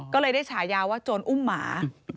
ก็เลยได้ฉายาว่าโจรอุ้มหมา